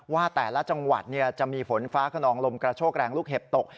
ว่าแต่ละจังหวัดจะมีฝนฟ้าขนองลมกระโชกแรงลูกเห็บตก